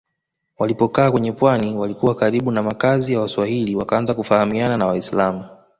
Walipokaa kwenye pwani walikuwa karibu na makazi ya Waswahili wakaanza kufahamiana na Waislamu